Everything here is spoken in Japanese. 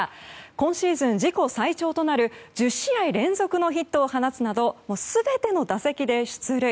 今シーズン自己最長となる１０試合連続のヒットを放つなど全ての打席で出塁。